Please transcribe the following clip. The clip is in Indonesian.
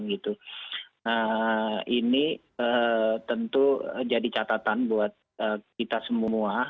nah ini tentu jadi catatan buat kita semua